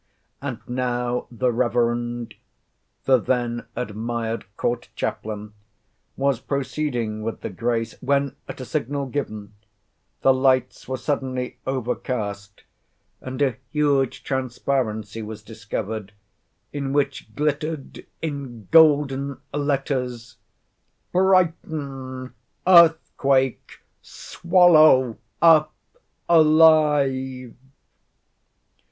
And now the Rev. the then admired court Chaplain, was proceeding with the grace, when, at a signal given, the lights were suddenly overcast, and a huge transparency was discovered, in which glittered in golden letters— "BRIGHTON EARTHQUAKE SWALLOW UP ALIVE!"